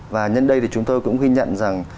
và nhân đây thì chúng tôi cũng ghi nhận rằng